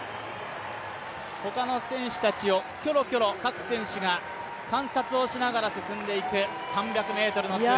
ほかの選手たちをきょろきょろ各選手が観察をしながら進んでいく３００ｍの通過。